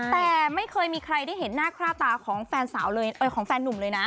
แต่ไม่เคยมีใครได้เห็นหน้าคราบตาของแฟนหนุ่มเลยนะ